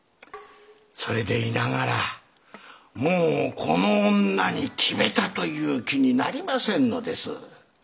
それでいながらもうこの女に決めたという気になりませんのです。